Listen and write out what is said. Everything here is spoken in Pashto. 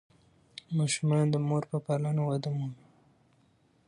ماشومان د مور په پالنه وده مومي.